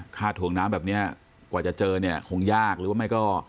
ถ่วงน้ำแบบนี้กว่าจะเจอเนี่ยคงยากหรือว่าไม่ก็